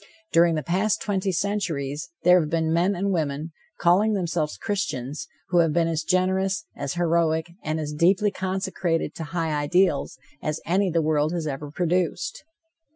During the past twenty centuries there have been men and women, calling themselves Christians, who have been as generous, as heroic and as deeply consecrated to high ideals as any the world has ever produced.